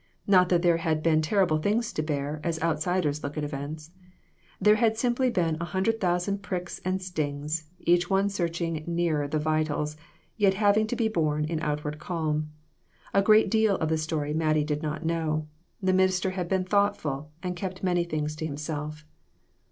Not that there had been terrible things to bear, as outsiders look at events. There had simply been a hundred thousand pricks and stings, each one searching nearer the vitals, yet having to be borne in outward calm. A great deal of the story Mattie did not know. The minister had been thoughtful, and kept many things to himself.